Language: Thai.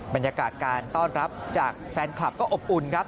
บรรยากาศการต้อนรับจากแฟนคลับก็อบอุ่นครับ